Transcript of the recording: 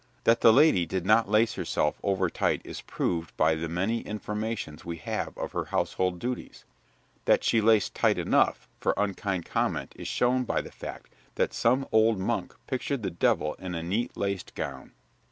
That the lady did not lace herself overtight is proved by the many informations we have of her household duties; that she laced tight enough for unkind comment is shown by the fact that some old monk pictured the devil in a neat laced gown.